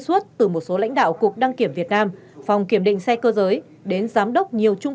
xuất từ một số lãnh đạo cục đăng kiểm việt nam phòng kiểm định xe cơ giới đến giám đốc nhiều trung